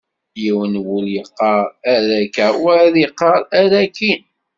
Yiwen n wul yeqqar err akka, wayeḍ yeqqar err akkin.